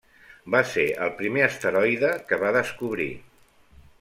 Va ser el primer asteroide que va descobrir.